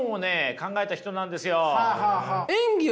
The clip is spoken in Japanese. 考えた人なんですよ。